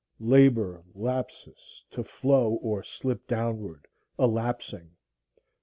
labor, lapsus, to flow or slip downward, a lapsing; ??